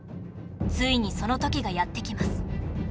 ついにその時がやってきます